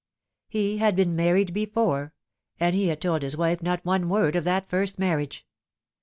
He had been married before, and he had told his wife not one word of that first marriage.